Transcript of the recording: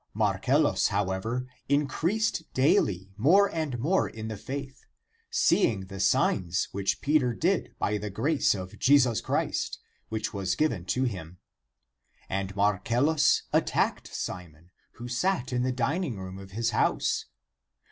14. Marcellus, however, increased daily (more and more in the faith), seeing the signs which Peter did by the grace of Jesus Christ, which was given to him. And Marcellus attacked Simon, who sat in the dining room of his house.